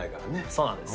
そうなんです。